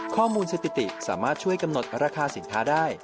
สถิติสามารถช่วยกำหนดราคาสินค้าได้